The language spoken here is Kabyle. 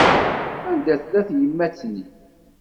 Anda tella tyemmat-nni?